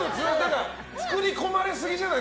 作り込まれすぎじゃない？